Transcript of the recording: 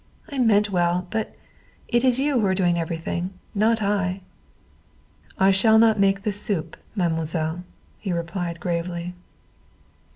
I meant well, but it is you who are doing everything; not I." "I shall not make the soup, mademoiselle," he replied gravely.